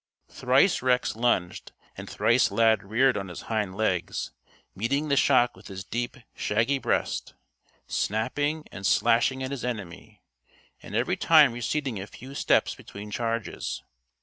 Thrice Rex lunged, and thrice Lad reared on his hind legs, meeting the shock with his deep, shaggy breast, snapping and slashing at his enemy and every time receding a few steps between charges.